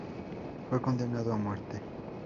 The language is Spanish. Fue condenada a muerte.